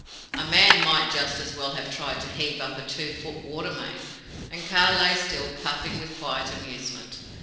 A man might just, as well have tried to heave up a two foot water main; and Kaa lay still, puffing with quiet amusement.